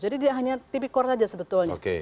jadi dia hanya tipik korps saja sebetulnya